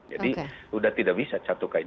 jadi sudah tidak bisa catuk kain